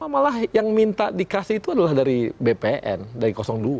malah yang minta dikasih itu adalah dari bpn dari dua